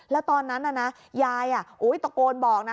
แล้วตอนนั้นน่ะนะยายตะโกนบอกนะ